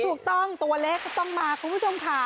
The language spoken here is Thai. ถูกต้องตัวเลขเขาต้องมาครูผู้ชมค่ะ